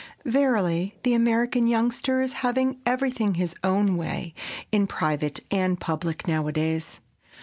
Verily the American youngster is having everything his own way in private and public nowadays!